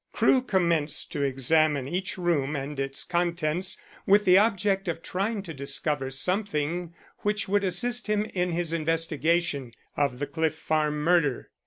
Crewe commenced to examine each room and its contents with the object of trying to discover something which would assist him in his investigation of the Cliff Farm murder.